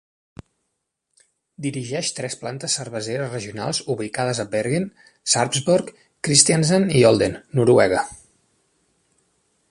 Dirigeix tres plantes cerveseres regionals ubicades a Bergen, Sarpsborg, Kristiansand i Olden, Noruega.